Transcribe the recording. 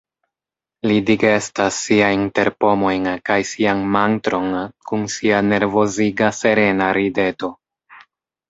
Li digestas siajn terpomojn kaj sian mantron kun sia nervoziga serena rideto.